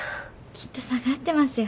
きっと下がってますよ。